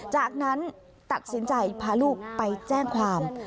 จากนั้นตัดสินใจพาลูกไปแจ้งความ